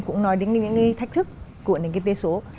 cũng nói đến những cái thách thức của nền kinh tế số